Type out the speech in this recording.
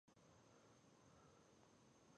زه و نورو کسانو ته د زده کړي لپاره غوږ نیسم.